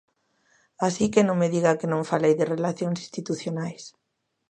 Así que non me diga que non falei de relacións institucionais.